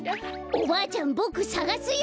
おばあちゃんボクさがすよ。